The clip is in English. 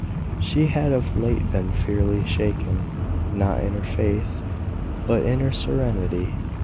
She had of late been fearfully shaken, not in her faith, but in her serenity.